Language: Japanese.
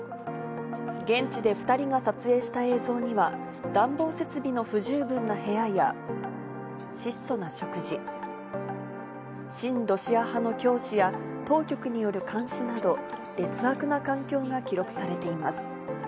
現地で２人が撮影した映像には、暖房設備の不十分な部屋や、質素な食事、親ロシア派の教師や当局による監視など、劣悪な環境が記録されています。